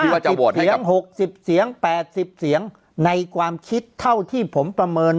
เสียง๖๐เสียง๘๐เสียงในความคิดเท่าที่ผมประเมิน